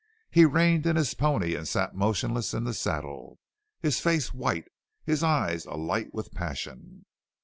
He reined in his pony and sat motionless in the saddle, his face white, his eyes alight with passion.